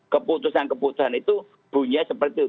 keputusan keputusan itu bunyi seperti itu